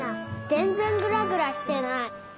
ぜんぜんぐらぐらしてない。